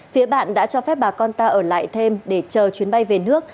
phía bạn đã cho phép bà con ta ở lại thêm để chờ chuyến bay về nước